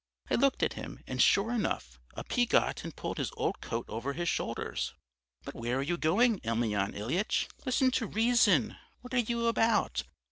I looked at him, and sure enough, up he got and pulled his old coat over his shoulders. "'But where are you going, Emelyan Ilyitch? Listen to reason: what are you about?